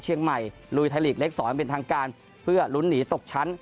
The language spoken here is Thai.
เชียงใหม่ลุยไทยลีกเล็ก๒เป็นทางการเพื่อลุ้นหนีตกชั้น